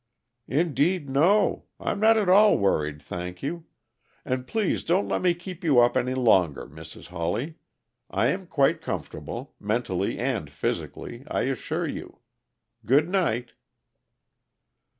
"Indeed, no. I'm not at all worried, thank you. And please don't let me keep you up any longer, Mrs. Hawley. I am quite comfortable mentally and physically, I assure you. Good night."